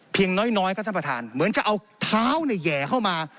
เพียงน้อยก็คือเหมือนจะเอาเท้าแหยาเข้ามา